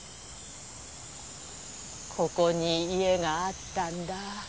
ここに家があったんだ。